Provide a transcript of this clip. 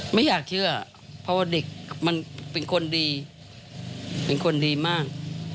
ไม่อยากเชื่อเพราะว่าเด็กมันเป็นคนดีเป็นคนดีมาก